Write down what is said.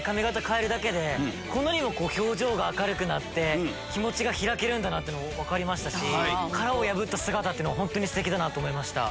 変えるだけでこんなにも表情が明るくなって気持ちが開けるんだなってのも分かりましたし殻を破った姿ってのは本当にステキだと思いました。